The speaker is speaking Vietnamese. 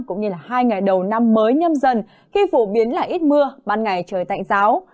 cũng như là hai ngày đầu năm mới nhâm dần khi phổ biến là ít mưa ban ngày trời tạnh giáo